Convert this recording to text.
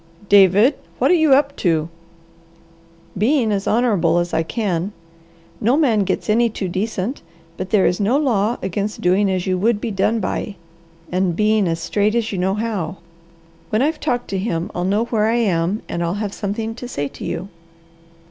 "David, what are you up to?" "Being as honourable as I can. No man gets any too decent, but there is no law against doing as you would be done by, and being as straight as you know how. When I've talked to him, I'll know where I am and I'll have something to say to you."